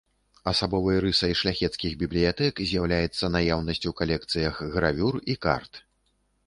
Асабовай рысай шляхецкіх бібліятэк з'яўляецца наяўнасць у калекцыях гравюр і карт.